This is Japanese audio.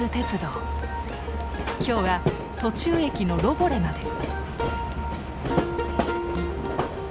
今日は途中駅のロボレまで。